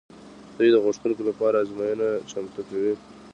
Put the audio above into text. دوی د غوښتونکو لپاره ازموینه چمتو کوي.